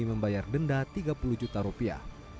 membayar denda tiga puluh juta rupiah